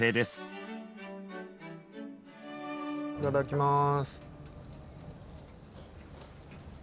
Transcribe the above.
いただきます。